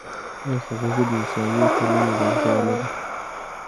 آیا خواخوږي د انساني ټولنې ځانګړنه ده؟